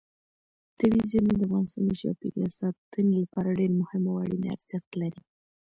طبیعي زیرمې د افغانستان د چاپیریال ساتنې لپاره ډېر مهم او اړین ارزښت لري.